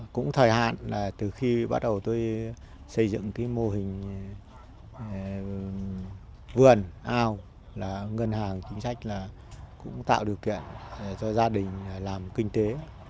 cũng thời hạn là từ khi bắt đầu tôi xây dựng cái mô hình vườn ao là ngân hàng chính sách là cũng tạo điều kiện cho gia đình làm kinh tế